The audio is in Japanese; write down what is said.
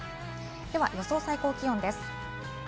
では予想最高気温です。